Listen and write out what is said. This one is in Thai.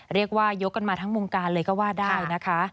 เรียกว่ายกกันมาทั้งวงการเลยก็ว่าได้นะคะ